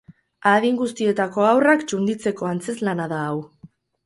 Adin guztietako haurrak txunditzeko antzezlana da hau.